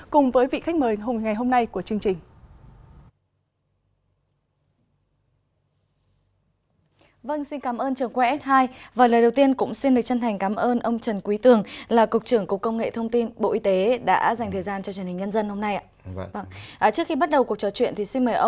cùng với vị khách mời hôm nay của chương trình